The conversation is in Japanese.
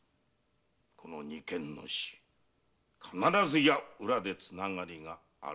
この二件の死必ずや裏でつながりがあるはずです。